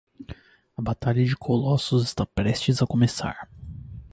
A batalha de colossos está prestes a começar!